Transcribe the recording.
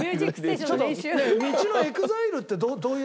ちょっと『道』ＥＸＩＬＥってどういうやつだっけ？